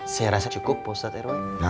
saya rasa cukup pak ustadz rw